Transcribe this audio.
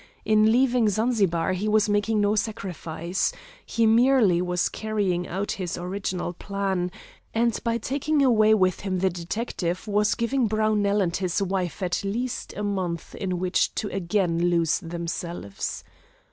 In leaving Zanzibar he was making no sacrifice. He merely was carrying out his original plan, and by taking away with him the detective was giving Brownell and his wife at least a month in which to again lose themselves.